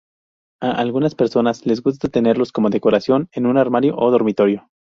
A algunas personas les gusta tenerlos como decoración en un armario o dormitorio.